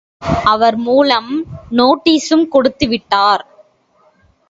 அவர் மூலம் நோட்டீசும் கொடுத்து விட்டார்.